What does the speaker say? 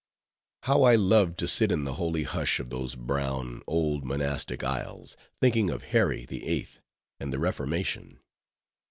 How I loved to sit in the holy hush of those brown old monastic aisles, thinking of Harry the Eighth, and the Reformation!